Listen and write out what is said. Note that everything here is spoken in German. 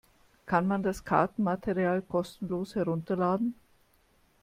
Kann man das Kartenmaterial kostenlos herunterladen?